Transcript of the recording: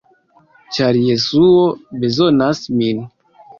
ĉar Jesuo bezonas min.